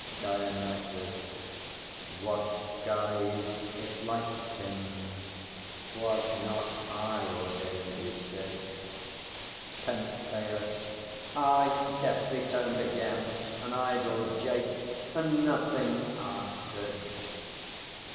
DIONYSUS. What guise It liked him. 'Twas not I ordained his shape. PENTHEUS. Aye, deftly turned again. An idle jape, And nothing answered!